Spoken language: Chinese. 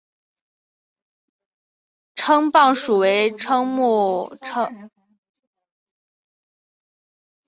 蛏蚌属为蚌目蚌科隆嵴蚌亚科一个淡水动物的属。